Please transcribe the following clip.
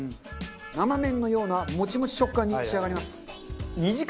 生麺のようなモチモチ食感に仕上がります。